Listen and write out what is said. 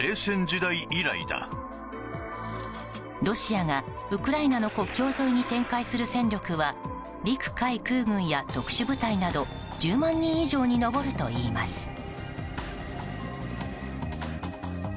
ロシアが、ウクライナの国境沿いに展開する戦力は陸海空軍や特殊部隊など１０万人以上に上るといいます。